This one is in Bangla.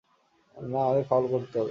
না, আমাদের ফাউল করতে হবে।